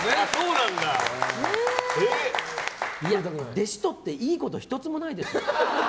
弟子を取っていいことは１つもないですよ。